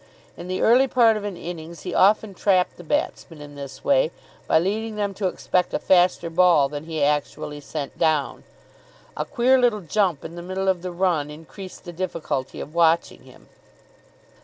In the early part of an innings he often trapped the batsmen in this way, by leading them to expect a faster ball than he actually sent down. A queer little jump in the middle of the run increased the difficulty of watching him.